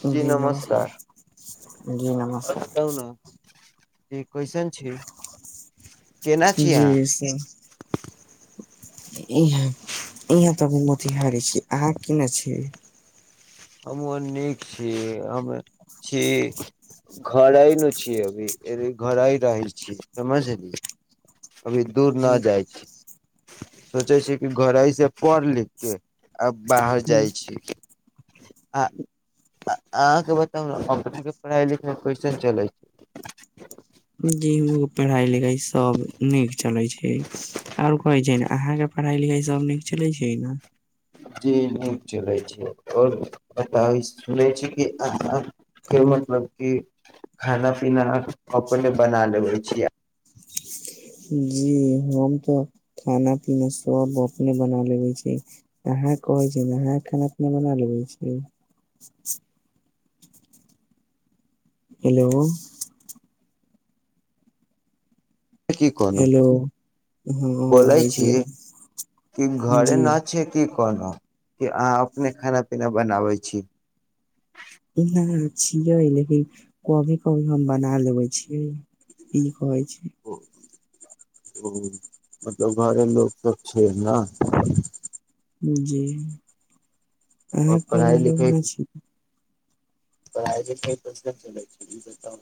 ह जी नमस्कार जी नमस्कार। त कैसन छै। जी से। इहाँ इहाँ तऽ हम मोतिहारी छी, अहाँ क ने छी। हम अनेक छीय, अमे छी। घरै न छियै, अभी घर ह रहै छियै, समझली। अभी दूर न जी जाइ छी। सोचे छी, कि घर से पढ़ लिख, के आब बाहर जाइ छी। आ अहाँ के बताउ ने अपने के पढ़ाई लिखाई कैसन चले छै। ज पढ़ाई लिखाई सब नीक चले छै। आओर कहै छै, ने अहाँ के पढ़ाई लिखाई सभ नीक चलै छै ने। जी नीक चलै छै, आओर बता सुनै छी, कि आहा। फ मतलब क खाना पीना अपने बना लेबै छियै। जी हम तऽ खाना पीना सब अपने बना लेबे छी। आ कहै छै, ने ह खाना पीना बना लेबै छै। हेलो। की कोनो हेलो हँ आब बोै आबै छी, आब। कि घरे जी नाच छ की कहलहु कि अहाँ अपने खाना पीना बनाबै छी। इहाँ छियै लेकिन कभी कभी हम बना लेबे छियै। ई कहइ छै। मतलब घरे लोक सब छै ने। जी अह घर पढ़ाइ मे लोग न छी। पर आइ जे क प्रश्न चल छै ई बता।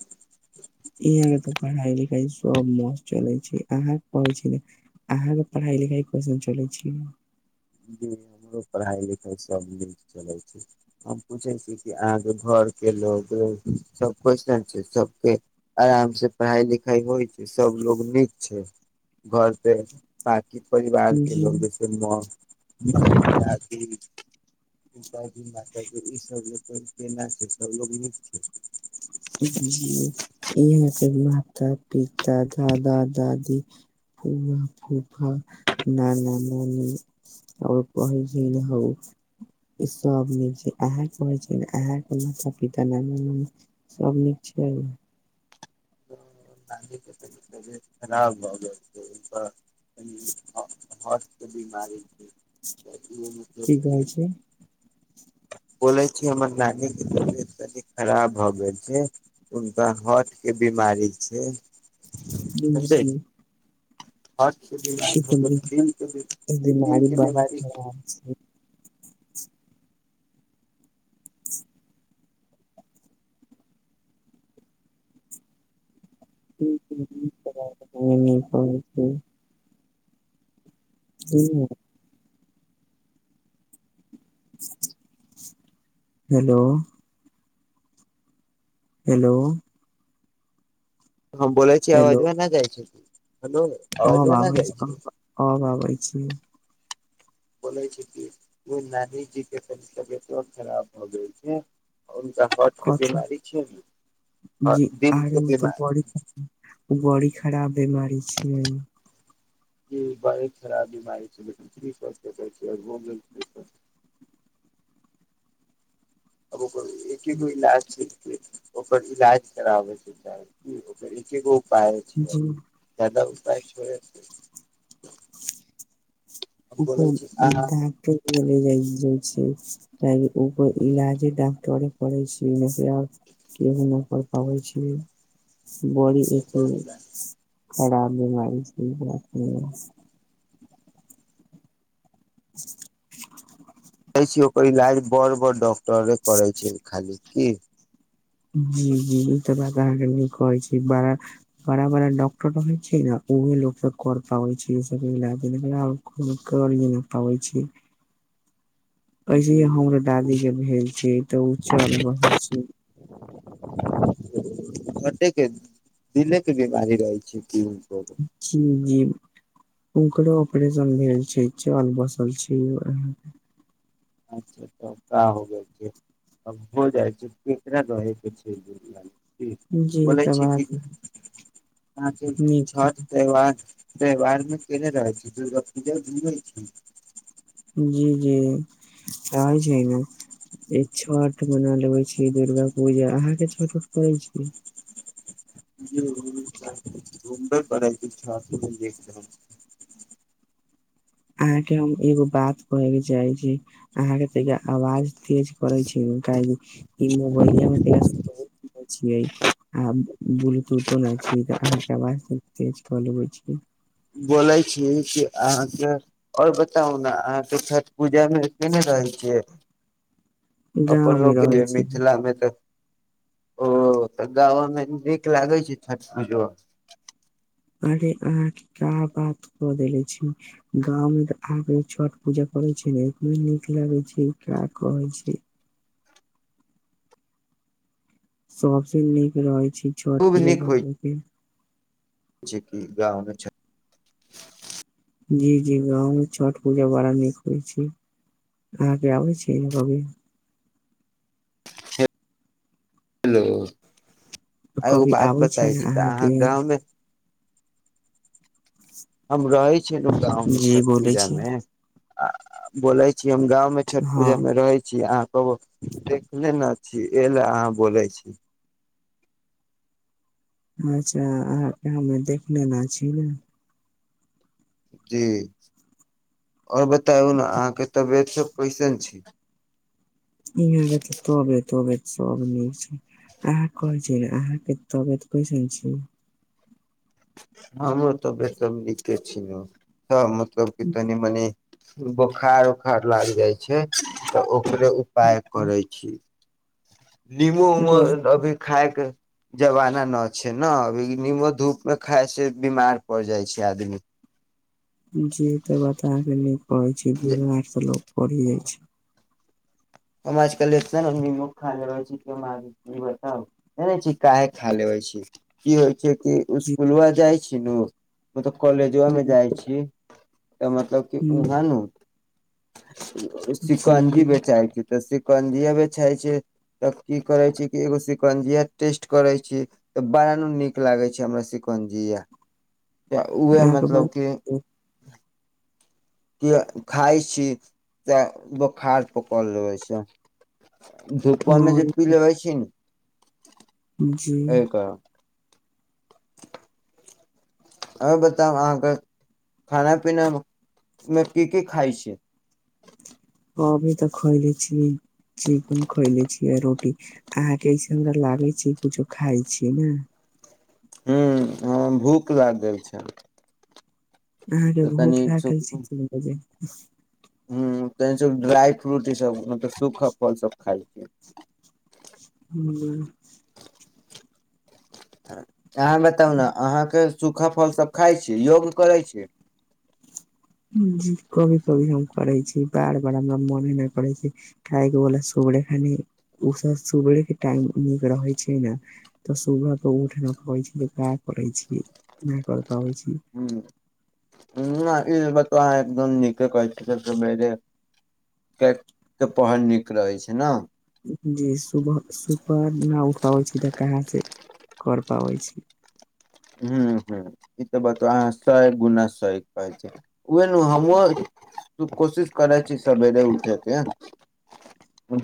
यह के तऽ पढ़ाई लिखाई सब मस्त चले छै, अहाँ कहै छै ने। अहाँके पढ़ाइ लिखाइ कशन चल छल। जी हमरो पढ़ाई लिखाई सब नीक चलैत छै। हम पूछै छी, कि आग घर के लोग सबकइ छै सबके। आराम से पढ़ाई लिख। होइ छै, सब लोग नीक छै, घर पे आ की परिवार के जी लोग देख। सुनबो हैत की। तीन चाइर दिन ई सब केना छै, सब नीक छै। इहऽ माता-पिता, दादा-दादी। फुआ-फूफा, नाना-नानी। आओ कह छै ने हौ। सभ मिल छै, अहाँ कहै छै, अह माता-पिता ने। सब नीक छै। नानी के तबियत खराब भऽ गेल छै। कनि हार्ट के बीमारी छै, मतलब की कहै छै। बोले छी, हमर नानी के तबियत कनि खराब भऽ गेल छै। हुनका हार्ट के बीमारी छै। ब छै। हर्ट के बीमारी दिल के बीमारी। अच्छा। [unintelligible] हुं हेलो। हेलो। हम बोल छी हेलो आवाज़वा नहि जाइ छै त हेलो आवाज़वा नहि जाइ छै। आब आबै छी। बोले छै कि ओ नानीजी के तबियत और खराब भ गेल छै। हनका हर्ट के कथी बीमारी छै, ने जी दिल अरे के उ तऽ बड़ी बीमारी बड़ी खराब बीमारी छै। ई बड़ खराब बीमारी छै, लेकीन फ्री स्वास्थ्य छै हो गेल। आब ओकर एके गो इलाज छै। ओकर इलाज कराबैके चाही, ओकर एके गो उपाय छै। जी जादा उपाय थोड़े छै। हम बोले ओकर छै अहाँ डाक्टर लग गेल जाइ छै। त ओकर इलाज डाकटरे करै छै ने आब। केहो न कर पाबै छी, बड़ी एगो ओकर इलाज खराब बिमारी छै अपने [inaudible] कहै छ ओकर इलाज बड़-बड़ डॉक्टरे करै छै खाली की जी-जी ई तऽ बात अहाँके कहै छी बड़ा बड़ा-बड़ा डॉक्टर होइ छै ने ओहि सब कर पाबै छै सब इलाज को कर नै पाबै छै। ऐसेही हमरो दादी के भेल छी तऽ ओ चल रहल छै। कथिके दिले के बीमारी रहल छै हुनको जी-जी ओकरो ऑपरेशन भेल छै, चल बसल छै ओहे मे। अच्छा तऽ कऽ हो गेल फेर। आब हो जाइ छै केकरा रहै के छै दुनिया मे, जी बोलै तऽ छी कि बात अहां के नीक छठ त्यौहार त्यौहार मे केने रहै छी, दुर्गा पूजा घुमै छी? जी जी, आ जैबे। एक छठ मना लेबे छी, दुर्गा पूजा, अहाँ के छठ उठ करै छी। जम्बर प छ देख [unintelligible] अहाँके हम एगो बात कहयके चाहै छी अहाँके तनि आवाज तेज करे छी कि ई मोबाइल मे बोलै छियै? आ ब्लूटूथो ने छी त अहाँ के आवाज तेज क लेबे छी। बोलै छी कि अहाँके और बताउ ने अहाँ त छठ पूजामे केने रहै छियै? गाँव अपन में लोक रहे छी मिथिलामे तऽ ओ तऽ गांवो मे नीक लागे छै छठ पूजा अहांके अहाँके का बात कऽ देले छी। गांव में आब छठ पूजा करे छै ने एते नीक लगे छै का कहे छै। सबसे नीक रहै छै छठ खूब पूजा कर के। जी, गाँव मे छठ जी जी गाँव मे छठ पूजा बड़ा नीक होइ छै। अहाँके आबै छियै अइमे कभी? हेलो एगो कभी बात आबै बताबै ने छी तऽ अहाँके अहाँ गाम मे हम रहय छिय ने गाँंव मे जी छठ बोलै पूजा छी मे बोलय छी हम गाँंव मे छठ हँ पूजा में रहै छी अहाँ कबौ देखले ने छी एहि ले अहाँ बोलय छी। अच्छा अहाँके हमे देख नेने छी ने। जी आओर बताउ ने अहाँके तबियत सब कैसन छी? इ हमरा तऽ तबियत तबियत सब नीक छी। अहाँ कहै छी ने अहाँके तबियत कैसन छी? हॅं हमरो तबियत नीके छी ने त मतलब तनि मनी बोखार उखार लागि जाइ छै तऽ ओकरे उपाय करै छी। नीमो उमो बस अभी खायके जमाना न छै ने अभी नीमो धूप मे खाय से बीमार पड़ जाइ छै आदमी। जे त बता के नहि कहय छै बीमार त लोक पड़िये जाइ छै। हम आजकल देखते ने निमक खाइले रहल छै कमे [unintelligible] बताउ कहय छी काहे खा लेबै छी। की होइ छै कि जी इसकुलबा जाइ छी नु मतलब कॉलेजबा मे जाइ छी। तऽ मतलब कि हुँ ओहा नु जी सिकंजी बेचाय छै तऽ सिकंजीये बेचइ छै। तब की करय छी कि एगो शिकंजिया टेस्ट करै छी। तऽ बड़ा नीक लागय छै हमरा सिकंजीया तऽ उएह अहाँके मतलब बात कि किया खाय छी तऽ बोखार पकड़ लेबै छै। धूपबा मे जे हँ पी लेबइ छी ने। जी एहि कारण अउ बताउ अहाँके खाना पीना मे की की खाय छी। अभी तऽ खइले छीयइ। चिकन खइले छीयै रोटी अहाँके ई सुन्दर लागे छै कुछो खाय छीयइ ने। हूं हम भूख लए देल छनि। अहाँके भूख लागल छै तीन बजे, हूं तनी सा ड्राई फ्रूट ई सब मतलब सूखा फल सब खाइ छी। हुं अहाँ बताउ ने अहाँके सूखा फल सब खाय छी योग करै छी। जी कभी कभी हम करै छी बार बार हमरा मने नहि करै छै। [unintelligible] उ सब सबेरे के टाइम नीक रहइ छै ने। तऽ सुबह त उठि नहि पाबै छी, नहि कर पाबै छी। हूं हूं ई बतबा अहां एकदम नीके कहै छी सबेरे [unintelligible] पहर नीक रहै छै न। जी सुबह सु पहर न उठ पाबै छी तऽ कहाँ से कर पाबै छी। हूं हूं ई तऽ बतबा अहाँ सए गुना सही कहलियै। ओहे ने हमहुँ अर कोशिश करय छी सवेरे उठय के।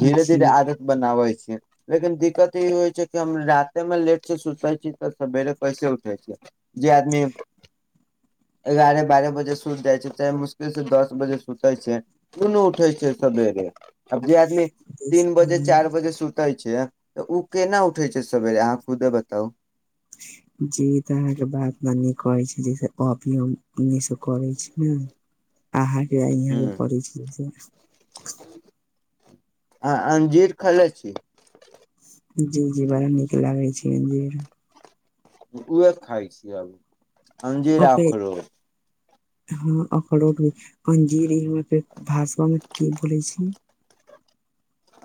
धीरे धीरे जी आदत बनाबै छिय। लेकिन दिक्कत ई होइ छै कि हम राते में लेट से सुतै छी तऽ सेबेरे कैसे उठ जे आदमी एगारह बारह बजे सुति जाइ छै से आइ मुश्किल से दस बजे सुते छै। केयो नहि उठै छै सवेरे आब जे आदमी तीन बजे चारि बजे सुतै छै तऽ ओ केना उठै छैय सवेरे अहाँ खुदे बताउ। [inaudible] जी तऽ अहाँके बात मानी करै छैय ज अभिय करै छी ने। अहाँके अहाँके कर छियै [unintelligible] [unintelligible] आ अंजीर खैले छी। जी जी बड़ा नीक लागे छैय अंजीर। उहे खाय छियै आब अंजीर आखरोट। हँ अखरोट अंजीरी हम फेर भाषा मे की बोले छी।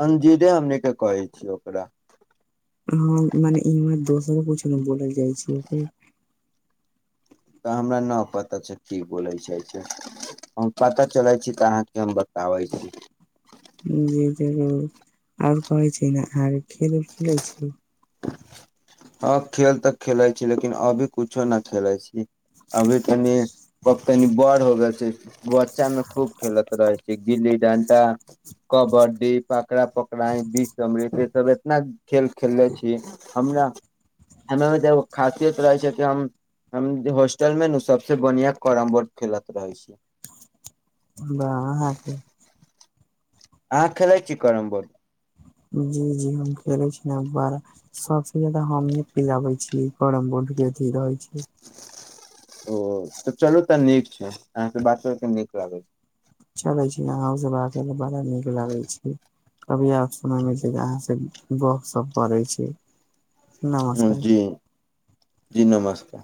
अंजीरे हमनी के कहै छी ओकरा। हँ मने ई हमर दोसरो कुछ ने बोल जाइ छैय ओकरे। तऽ हमरा न पता छैय की बोलै जाय छैय। हम पता चलै छी तऽ अहाँके हम बताबै छी। जे जरूर और कहै छी ने आर खेल उ खेलै छी। हँ खेल तऽ खेलैत छी लेकिन अभी कुछो नहि खेलैत छी अभी तनि ब तनी बड़ हो गेल छैय बच्चा मे खूब खेलैत रहै छैय गिल्ली डंटा। कबड्डी पकड़ा पकड़ाई बीष अमृत ई सब एतना खेल खेलले छी। हमरा हमरामे तऽ एगो खासियत रहै छैय कि हम हम हॉस्टल में नु सबसे बढ़िया कैरम बोर्ड खेलत रहे छी। बाह अहाँ खेलाइ छी कैरम बोर्ड। जी जी हम खेले छी ने बार सबसे जादा हमी पिलाबे छीयै करम बोर्ड के अथी रहै छैय। ओ तऽ चलू तऽ नीक छैय अहांके बातो के नीक लागै छैय। चलै छी अहांसे बात बड़ा नीक लागै छैय। कभी आ समय मे छैय अहाँ से गपशप करै छी। नमस्कार। जी जी नमस्कार।